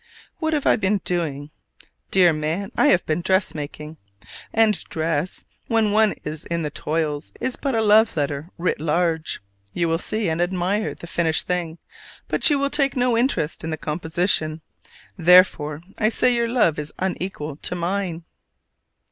What have I been doing? Dear man, I have been dressmaking! and dress, when one is in the toils, is but a love letter writ large. You will see and admire the finished thing, but you will take no interest in the composition. Therefore I say your love is unequal to mine.